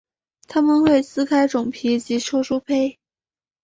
它们会撕开种皮及抽出胚。